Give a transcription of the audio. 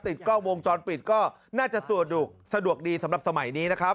ติดกล้องวงจรปิดก็น่าจะสะดวกดีสำหรับสมัยนี้นะครับ